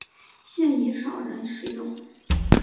现已少人使用。